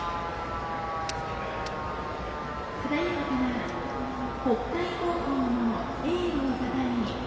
ただいまから北海高校の栄誉をたたえ